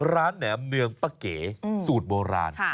แหนมเนืองปะเก๋สูตรโบราณ